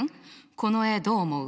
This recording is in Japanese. この絵どう思う？